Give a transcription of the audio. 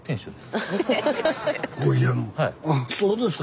あっそうですか。